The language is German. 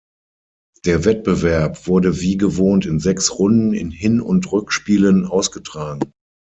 Der Wettbewerb wurde wie gewohnt in sechs Runden in Hin- und Rückspielen ausgetragen.